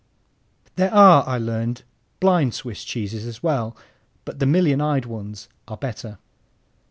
There are, I learned, "blind" Swiss cheeses as well, but the million eyed ones are better.